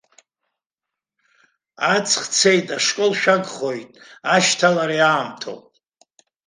Аҵх цеит, ашкол шәагхоит, ашьҭалара иаамҭоуп.